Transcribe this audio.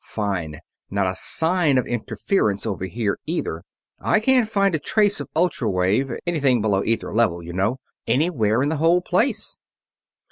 "Fine! Not a sign of interference over here, either. I can't find a trace of ultra wave anything below ether level, you know anywhere in the whole place.